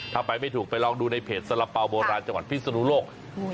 ถ้าไปไม่ถูกไปลองดูในเพจสละเป๋าโบราณจังหวัดพิศนุโลก